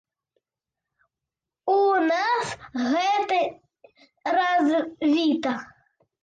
У нас гэта развіта.